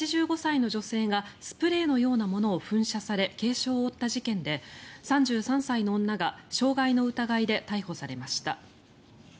大阪梅田の阪急百貨店の女性用トイレで８５歳の女性がスプレーのようなものを噴射され軽傷を負った事件で３３歳の女が傷害の疑いで逮捕されました。